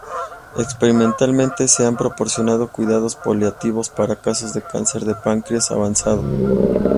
Experimentalmente, se han proporcionado cuidados paliativos para casos de cáncer de páncreas avanzado.